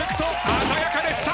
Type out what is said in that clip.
鮮やかでした！